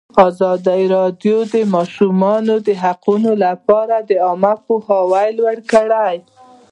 ازادي راډیو د د ماشومانو حقونه لپاره عامه پوهاوي لوړ کړی.